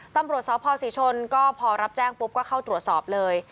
ตำรวจสพศรีชนก็พอรับแจ้งปุ๊บก็เข้าตรวจสอบเลย